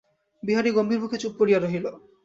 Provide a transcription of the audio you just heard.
বিহারী গম্ভীরমুখে চুপ করিয়া রহিল।